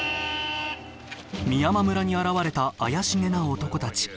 美山村に現れた怪しげな男たち。